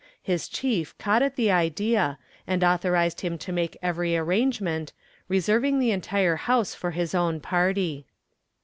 His chief caught at the idea and authorized him to make every arrangement, reserving the entire house for his own party.